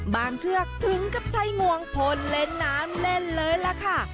บางเชือกทึ๊งกับไช่งวงพลเล่นน้ำเล่นเลยละ